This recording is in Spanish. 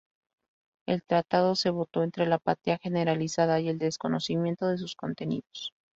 El tratado se votó entre la apatía generalizada y el desconocimiento de sus contenidos.